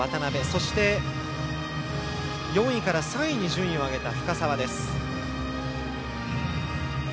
そして、４位から３位に順位を上げた深沢です。